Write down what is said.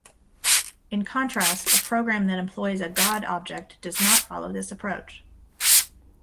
In contrast, a program that employs a God object does not follow this approach.